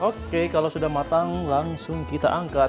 oke kalau sudah matang langsung kita angkat